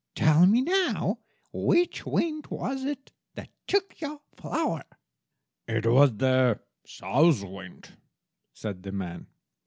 Tell me, now, which wind was it that took your flour?" "It was the South wind," said the man.